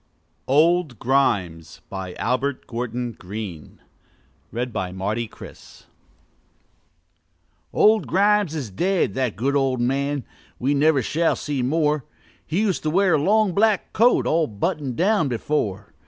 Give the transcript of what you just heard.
] OLD GRIMES BY ALBERT GORTON GREENE Old Grimes is dead, that good old man We never shall see more: He used to wear a long black coat All button'd down before.